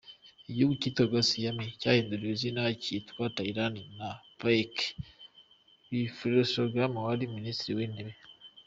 Igihugu cyitwaga Siam cyahinduriwe izina cyitwa Thailand na Plaek Pibulsonggram wari minisitiri w’intebe.